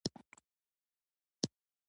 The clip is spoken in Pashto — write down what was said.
اسلامي بنسټپالنې پدیده څرګند حضور لري.